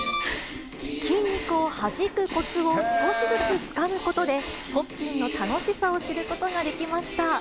筋肉をはじくこつを少しずつつかむことで、ポッピンの楽しさを知ることができました。